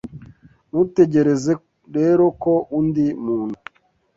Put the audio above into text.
Ntutegereze rero ko undi muntu